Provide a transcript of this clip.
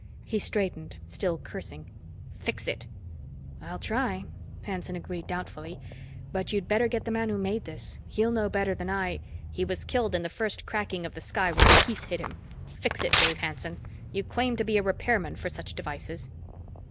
He straightened, still cursing. "Fix it!" "I'll try," Hanson agreed doubtfully. "But you'd better get the man who made this. He'll know better than I " "He was killed in the first cracking of the sky when a piece hit him. Fix it, Dave Hanson. You claimed to be a repairman for such devices."